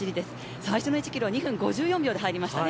最初の１キロは２分５４秒で入りましたね。